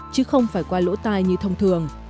chứ không phải qua lỗ tai như thông thường